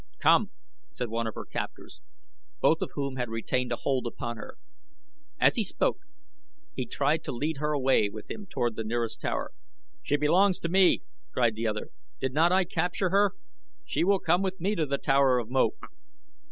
"Come!" said one of her captors, both of whom had retained a hold upon her. As he spoke he tried to lead her away with him toward the nearest tower. "She belongs to me," cried the other. "Did not I capture her? She will come with me to the tower of Moak."